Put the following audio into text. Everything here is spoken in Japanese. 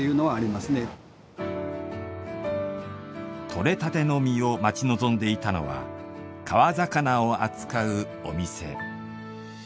とれたての実を待ち望んでいたのは川魚を扱うお店。